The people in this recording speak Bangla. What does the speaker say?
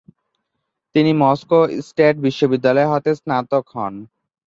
তিনি মস্কো স্টেট বিশ্ববিদ্যালয় হতে স্নাতক হন।